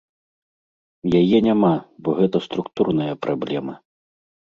Яе няма, бо гэта структурная праблема.